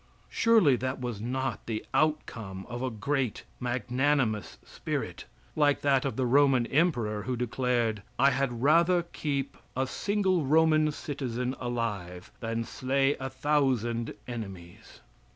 Surely that was not the outcome of a great, magnanimous spirit, like that of the Roman emperor, who declared: "I had rather keep a single Roman citizen alive than slay a thousand enemies."